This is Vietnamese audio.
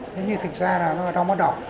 thế nhưng thật ra là nó đau mắt đỏ